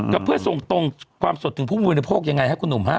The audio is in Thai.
ก็เพื่อส่งตรงความสดถึงผู้บริโภคยังไงครับคุณหนุ่มฮะ